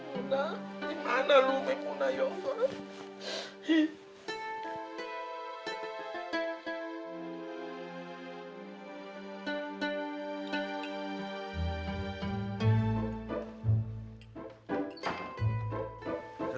memuna dimana umi memuna ya allah